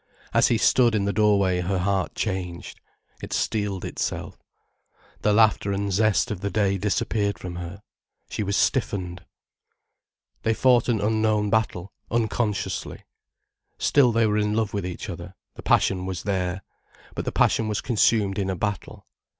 As he stood in the doorway her heart changed. It steeled itself. The laughter and zest of the day disappeared from her. She was stiffened. They fought an unknown battle, unconsciously. Still they were in love with each other, the passion was there. But the passion was consumed in a battle.